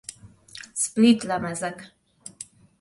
Split lemezek